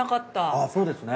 あぁそうですね。